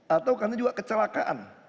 atau karena juga kecelakaan